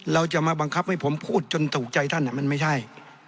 เราจะมาบังคับให้ผมพูดจนถูกใจท่านมันไม่ใช่